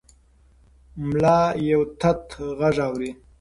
ملا یو تت غږ اوري.